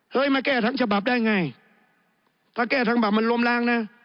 เฮ้ยมาแก้ทั้งฉบับได้ไงถ้าแก้ทั้งฉบับมันรวมร่างนะ